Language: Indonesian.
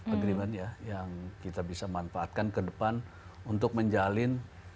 agreement ya yang kita bisa manfaatkan ke depan untuk menjalin